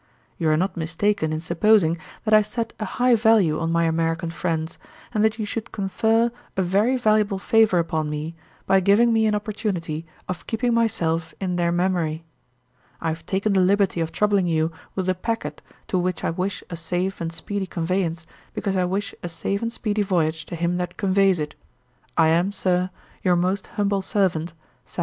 You are not mistaken in supposing that I set a high value on my American friends, and that you should confer a very valuable favour upon me by giving me an opportunity of keeping myself in their memory. 'I have taken the liberty of troubling you with a packet, to which I wish a safe and speedy conveyance, because I wish a safe and speedy voyage to him that conveys it. I am, Sir, 'Your most humble servant, 'SAM.